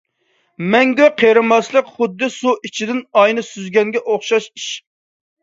مەڭگۈ قېرىماسلىق خۇددى سۇ ئىچىدىن ئاينى سۈزگەنگە ئوخشاش ئىش.